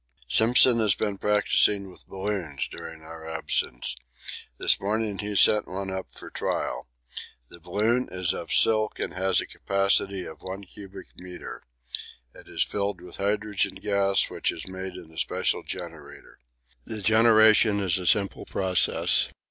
Simpson has been practising with balloons during our absence. This morning he sent one up for trial. The balloon is of silk and has a capacity of 1 cubic metre. It is filled with hydrogen gas, which is made in a special generator. The generation is a simple process.